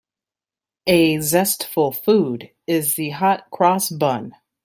A zestful food is the hot-cross bun.